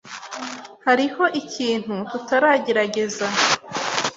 Hariho ikintu tutaragerageza.